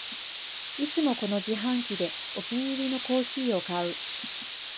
いつもこの自販機でお気に入りのコーヒーを買う